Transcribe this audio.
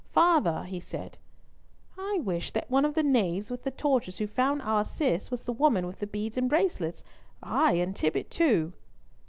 "Father," he said, "I wish that one of the knaves with the torches who found our Cis was the woman with the beads and bracelets, ay, and Tibbott, too."